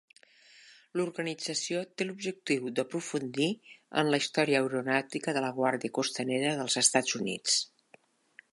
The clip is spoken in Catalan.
L'organització té l'objectiu d'aprofundir en la història aeronàutica de la guàrdia costanera dels Estats Units.